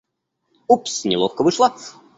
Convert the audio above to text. Упс, неловко вышло.